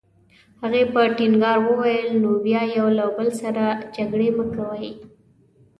هغې په ټینګار وویل: نو بیا یو له بل سره جګړې مه کوئ.